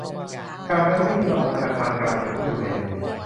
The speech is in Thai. จากเดิมที่มีระบบธนาคารกลางเป็นผู้ดูแล